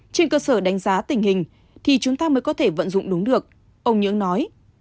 trên cơ sở đánh giá tình hình thì chúng ta mới có thể vận dụng đúng được ông nhưỡng nói